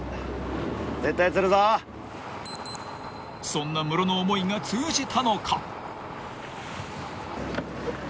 ［そんなムロの思いが通じたのか］